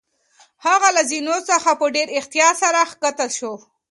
هغه له زینو څخه په ډېر احتیاط سره کښته شوه.